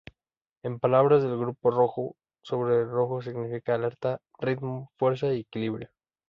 En palabras del grupo Rojo Sobre rojo significa alerta, ritmo, fuerza y equilibrio.